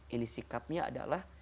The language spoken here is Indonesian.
ini sikapnya adalah